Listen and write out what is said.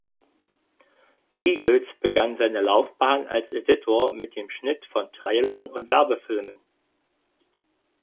Eagles begann seine Laufbahn als Editor mit dem Schnitt von Trailern und Werbefilme.